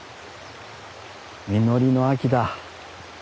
実りの秋だ。